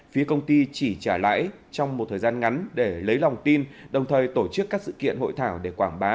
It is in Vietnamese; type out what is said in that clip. phía công ty chỉ trả lãi trong một thời gian ngắn để lấy lòng tin đồng thời tổ chức các sự kiện hội thảo để quảng bá